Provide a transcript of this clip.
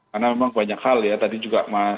karena memang banyak hal ya tadi juga mas